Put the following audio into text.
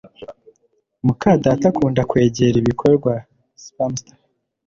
muka data akunda kwegera ibikorwa. (Spamster)